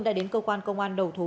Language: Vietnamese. đã đến cơ quan công an đầu thú